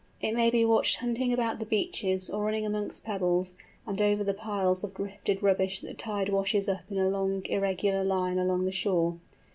It may be watched hunting about the beaches, or running amongst pebbles, and over the piles of drifted rubbish that the tide washes up in a long irregular line along the shore.